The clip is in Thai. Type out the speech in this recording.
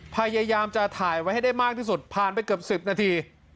พยายามจะถ่ายไว้ให้ได้มากที่สุดผ่านไปเกือบ๑๐นาที